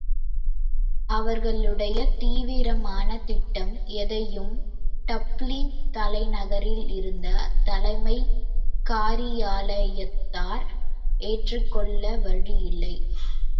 அவர்களுடைய தீவிரமான திட்டம் எதையும் டப்ளின் தலைநகரில் இருந்த தலைமைக் காரியாலயத்தார் ஏற்றுக்கொள்ளவழியில்லை.